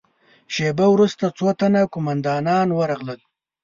شېبه وروسته څو تنه قوماندانان ورغلل.